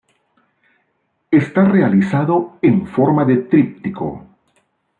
Está realizado en forma de tríptico.